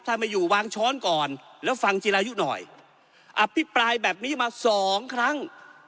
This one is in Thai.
ถ้าไม่อยู่วางช้อนก่อนแล้วฟังจิรายุหน่อยอภิปรายแบบนี้มาสองครั้ง